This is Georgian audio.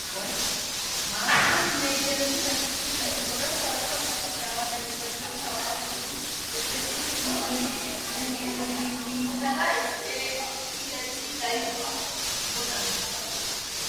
მარგო თინეიჯერობის ასაკში იტანჯებოდა სხვადასხვა სახის დაავადებით, მათ შორის ალკოჰოლიზმით, დეპრესიით, ბულიმიითა და ეპილეფსიით.